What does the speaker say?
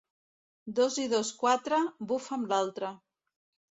Dos i dos quatre, bufa'm l'altre.